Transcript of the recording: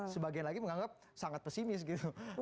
sebagian lagi menganggap sangat pesimis gitu